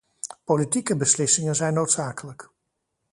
Politieke beslissingen zijn noodzakelijk.